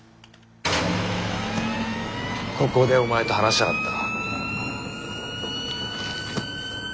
ここでお前と話したかった。